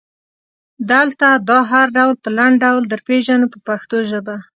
دلته دا هر ډول په لنډ ډول درپېژنو په پښتو ژبه.